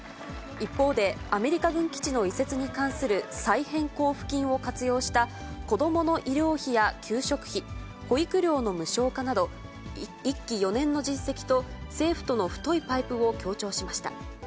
一方で、アメリカ軍基地の移設に関する再編交付金を活用した子どもの医療費や給食費、保育料の無償化など、１期４年の実績と政府との太いパイプを強調しました。